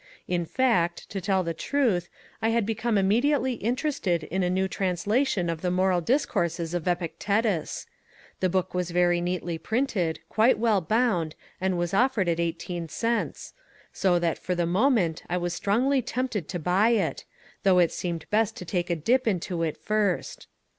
In fact, to tell the truth, I had become immediately interested in a new translation of the Moral Discourses of Epictetus. The book was very neatly printed, quite well bound and was offered at eighteen cents; so that for the moment I was strongly tempted to buy it, though it seemed best to take a dip into it first.